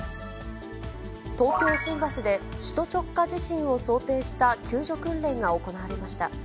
東京・新橋で首都直下地震を想定した救助訓練が行われました。